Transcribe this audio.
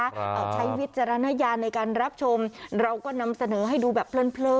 เอาใช้วิจารณญาณในการรับชมเราก็นำเสนอให้ดูแบบเพลิน